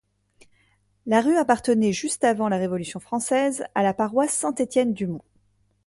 La rue appartenait juste avant la Révolution française à la paroisse Saint-Étienne-du-Mont.